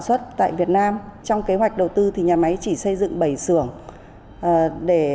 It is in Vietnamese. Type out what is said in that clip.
xuất tại việt nam trong kế hoạch đầu tư thì nhà máy chỉ xây dựng bảy xưởng để